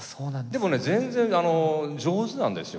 でもね全然上手なんですよ。